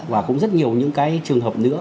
và cũng rất nhiều những cái trường hợp nữa